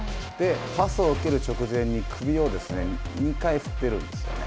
パスを受ける直前に首を２回振っているんですよね。